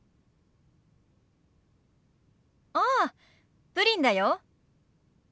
ああプリンだよ。